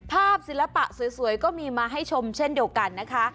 ศิลปะสวยก็มีมาให้ชมเช่นเดียวกันนะคะ